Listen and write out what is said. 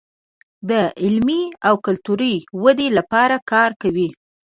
د علمي او کلتوري ودې لپاره کار کوي.